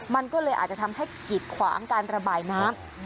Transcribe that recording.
มันก็เลยอาจจะทำให้กิดขวางการระบายน้ำ